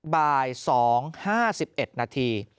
บ่าย๒๕๑นาที